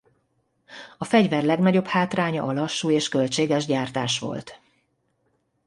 A fegyver legnagyobb hátránya a lassú és költséges gyártás volt.